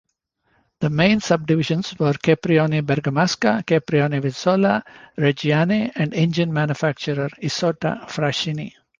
The main subdivisions were Caproni Bergamasca, Caproni Vizzola, Reggiane and engine manufacturer Isotta-Fraschini.